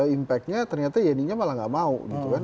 impactnya ternyata yeninya malah gak mau gitu kan